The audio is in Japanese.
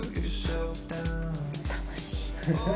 楽しい。